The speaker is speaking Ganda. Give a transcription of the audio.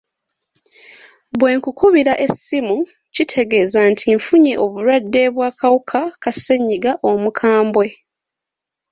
Bwe nkukubira essimu, kitegeeza nti nfunye obulwadde bw'akawuka ka ssenyiga omukambwe.